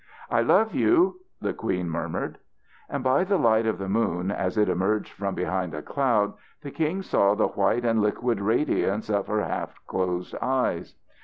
"I love you," the queen murmured. And by the light of the moon as it emerged from behind a cloud the king saw the white and liquid radiance of her half closed eyes.